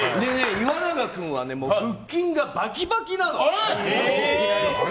岩永君は腹筋がバキバキなの。